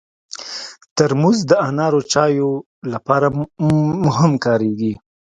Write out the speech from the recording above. ترموز د انارو چایو لپاره هم کارېږي.